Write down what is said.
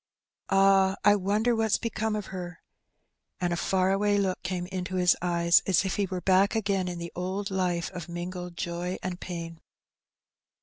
Ah ! I wonder what's become of her/' And a £Eur away look came into his eyes^ as if he were back again in the old life of mingled joy and pain.